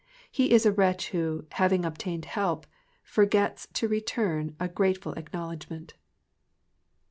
He is a wretch who, having obtained help, forgets to return a grateful acknowledgment.